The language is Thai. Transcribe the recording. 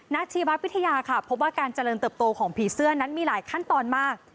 ชีววิทยาค่ะพบว่าการเจริญเติบโตของผีเสื้อนั้นมีหลายขั้นตอนมาก